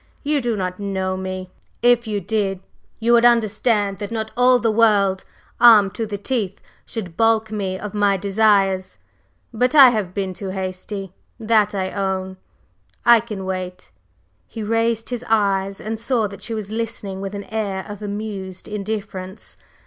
You do not know me; if you did, you would understand that not all the world, armed to the teeth should balk me of my desires! But I have been too hasty that I own, I can wait." He raised his eyes and saw that she was listening with an air of amused indifference.